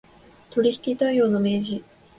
取引態様の明示